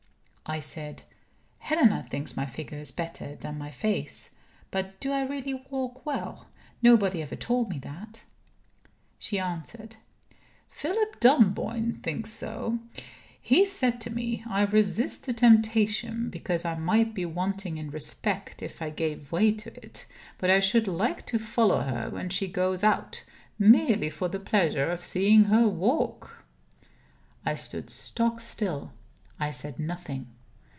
I said: "Helena thinks my figure is better than my face. But do I really walk well? Nobody ever told me that." She answered: "Philip Dunboyne thinks so. He said to me, 'I resist the temptation because I might be wanting in respect if I gave way to it. But I should like to follow her when she goes out merely for the pleasure of seeing her walk.'" I stood stockstill. I said nothing.